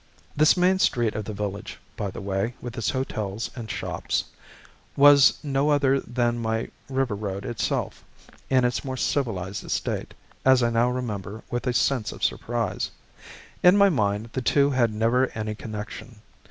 This main street of the village, by the way, with its hotels and shops, was no other than my river road itself, in its more civilized estate, as I now remember with a sense of surprise. In my mind the two had never any connection.